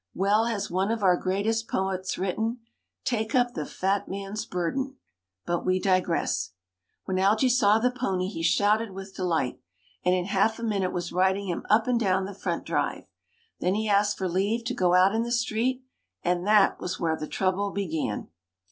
Well has one of our greatest poets written, "Take up the fat man's burden." But we digress. When Algy saw the pony he shouted with delight, and in half a minute was riding him up and down the front drive. Then he asked for leave to go out in the street and that was where the trouble began.